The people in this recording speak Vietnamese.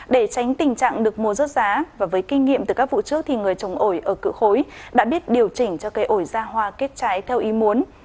để tránh tình trạng được mua rớt giá và với kinh nghiệm từ các vụ trước thì người trồng ổi ở cựu khối đã biết điều chỉnh cho cây ổi ra hoa kết trái theo ý muốn